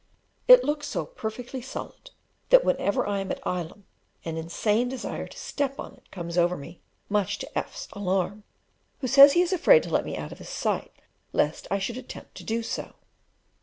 It looks so perfectly solid that whenever I am at Ilam, an insane desire to step on it comes over me, much to F 's alarm, who says he is afraid to let me out of his sight, lest I should attempt to do so.